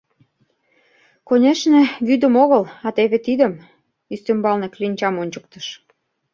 Конешне, вӱдым огыл, а теве тидым, — ӱстембалне кленчам ончыктыш.